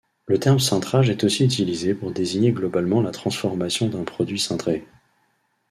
Le terme cintrage est aussi utilisé pour désigner globalement la transformation d'un produit cintré.